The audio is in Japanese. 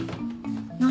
何？